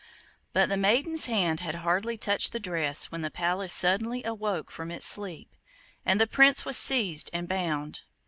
But the maiden's hand had hardly touched the dress when the palace suddenly awoke from its sleep, and the Prince was seized and bound.